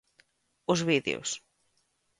Os vídeos.